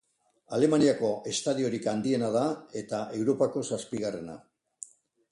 Alemaniako estadiorik handiena da, eta Europako zazpigarrena.